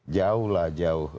jauh lah jauh